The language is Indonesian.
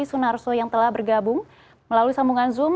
sunarso yang telah bergabung melalui sambungan zoom